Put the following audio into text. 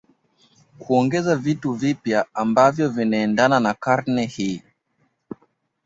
kuongeza vitu vipya ambavyo vinaendana na karne hii